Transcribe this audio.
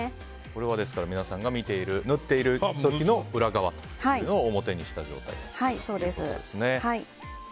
これは皆さんが見ている縫っている時の裏側を表にした状態ということですね。